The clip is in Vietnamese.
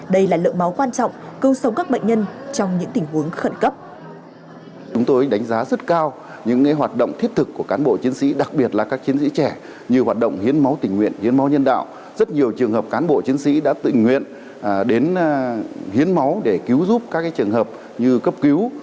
đây là lượng máu quan trọng cứu sống các bệnh nhân trong những tình huống khẩn cấp